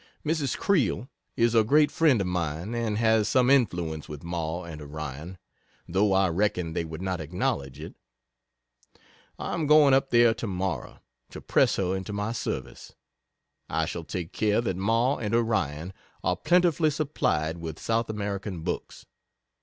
Mrs. Creel is a great friend of mine, and has some influence with Ma and Orion, though I reckon they would not acknowledge it. I am going up there tomorrow, to press her into my service. I shall take care that Ma and Orion are plentifully supplied with South American books.